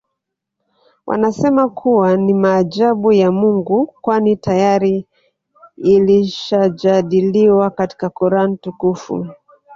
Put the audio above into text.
Wanasema kuwa ni maajabu ya Mungu kwani tayari lilishajadiliwa katika Quran Tukufu